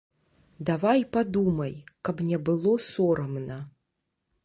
Давай падумай, каб не было сорамна.